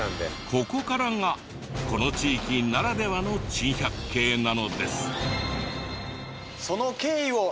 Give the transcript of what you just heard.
ここからがこの地域ならではの珍百景なのです。